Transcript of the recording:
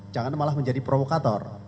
jangan malah menjadi provokator